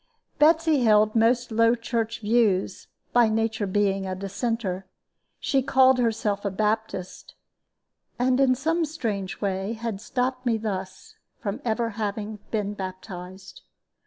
Betsy held most Low Church views, by nature being a Dissenter. She called herself a Baptist, and in some strange way had stopped me thus from ever having been baptized.